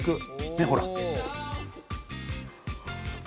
ねっほら。